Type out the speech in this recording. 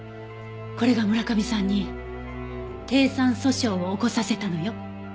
これが村上さんに低酸素症を起こさせたのよ。